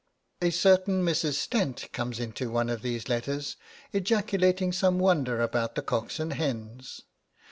A certain Mrs. Stent comes into one of these letters 'ejaculating some wonder about the cocks and hens.'